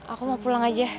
aku mau pulang aja